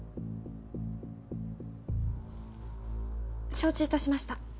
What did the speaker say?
承知いたしました。